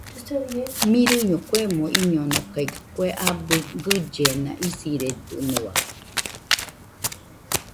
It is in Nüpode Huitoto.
Mɨrɨño kuemo iñonokaiga kue abɨ gɨllena isiredɨnua.